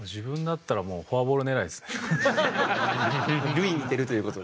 塁に出るという事で。